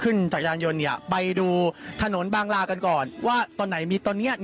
ขึ้นจักรยานยนต์เนี้ยไปดูถนนบางราวกันก่อนว่าตอนไหนมีตรงเนี้ย